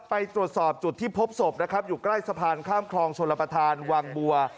ไปตรวจสอบจุดที่พบศพนะครับอยู่ใกล้สะพานข้ามคลองชลประธานวังบัว